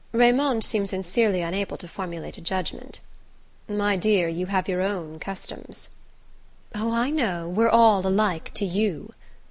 Raymond seemed sincerely unable to formulate a judgment. "My dear, you have your own customs..." "Oh, I know we're all alike to you!"